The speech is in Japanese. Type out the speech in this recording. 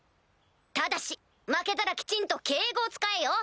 ただし負けたらきちんと敬語を使えよ！